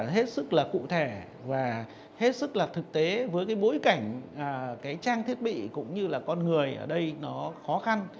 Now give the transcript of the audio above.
hết sức là cụ thể và hết sức là thực tế với cái bối cảnh trang thiết bị cũng như là con người ở đây nó khó khăn